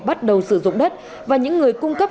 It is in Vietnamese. bắt đầu sử dụng đất và những người cung cấp